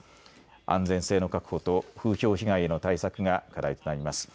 安全性の確保と風評被害への対策が課題となります。